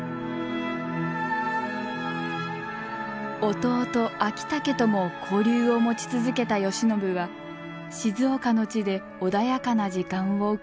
弟昭武とも交流を持ち続けた慶喜は静岡の地で穏やかな時間を送りました。